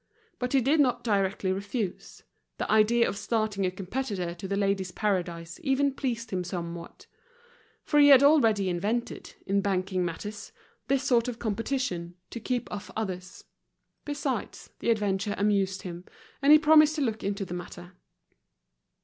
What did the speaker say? But he did not directly refuse, the idea of starting a competitor to The Ladies' Paradise even pleased him somewhat; for he had already invented, in banking matters, this sort of competition, to keep off others. Besides, the adventure amused him, and he promised to look into the matter.